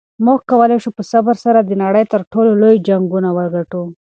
موږ کولی شو په صبر سره د نړۍ تر ټولو لوی جنګونه وګټو.